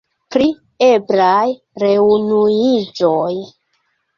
Pri eblaj reunuiĝoj.